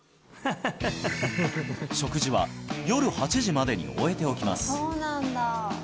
食事は夜８時までに終えておきます